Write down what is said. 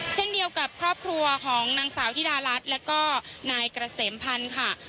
เช่นเดียวกับครอบครัวของนางสาวธิดารัฐแล้วก็นายเกษมพันธ์ค่ะ